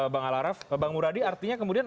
bang al araf bang muradi artinya kemudian